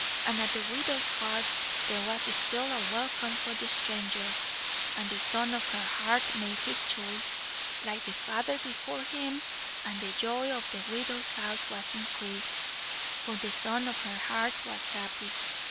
And at the widow's hearth there was still a welcome for the stranger and the son of her heart made his choice, like the father before him, and the joy of the widow's house was increased, for the son of her heart was happy.